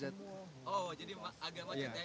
oh jadi agak macet ya